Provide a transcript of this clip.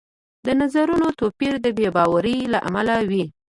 د نظرونو توپیر د بې باورۍ له امله وي